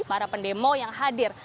para pendemo yang hadir